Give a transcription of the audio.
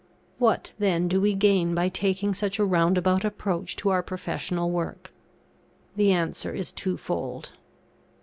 What then do we gain by taking such a roundabout approach to our professional work? The answer is twofold.